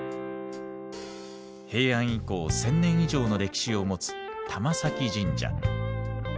平安以降１，０００年以上の歴史を持つ玉前神社。